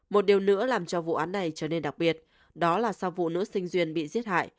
một điều nữa làm cho vụ án này trở nên đặc biệt đó là sau vụ nữ sinh duyên bị giết hại